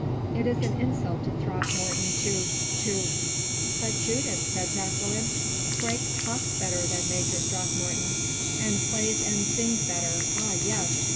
It is an insult to Throckmorton to to " "But, Judith," said Jacqueline, "Freke talks better than Major Throckmorton " "And plays and sings better. Ah! yes.